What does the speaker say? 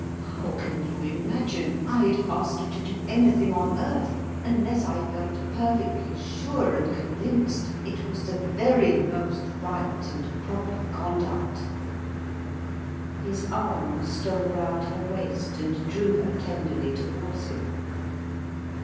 How can you imagine I'd ask you to do anything on earth unless I felt perfectly sure and convinced it was the very most right and proper conduct?" His arm stole round her waist and drew her tenderly towards him.